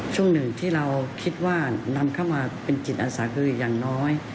ช่วงหนึ่งที่เราคิดว่านำเข้ามาเป็นจิตอาสาคืออย่างน้อย